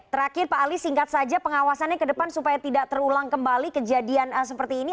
terakhir pak ali singkat saja pengawasannya ke depan supaya tidak terulang kembali kejadian seperti ini